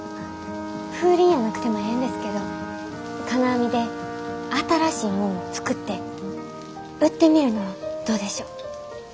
風鈴やなくてもええんですけど金網で新しいもんを作って売ってみるのはどうでしょう？